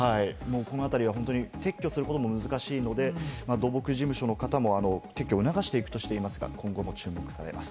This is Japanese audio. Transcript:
この辺りは撤去するのも難しいので、土木事務所の方も撤去を促していくとしていますが今後も注目されます。